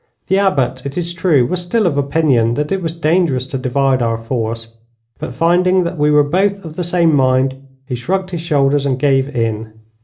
The Abbot, it is true, was still of opinion that it was dangerous to divide our force, but finding that we were both of the same mind, he shrugged his shoulders and gave in.